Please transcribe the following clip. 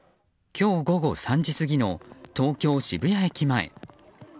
今日午後３時過ぎの東京・渋谷駅前。